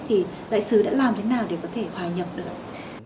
thì đại sứ đã làm thế nào để có thể hòa nhập được